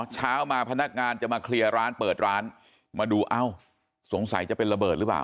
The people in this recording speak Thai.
เช้ามาพนักงานจะมาเคลียร์ร้านเปิดร้านมาดูเอ้าสงสัยจะเป็นระเบิดหรือเปล่า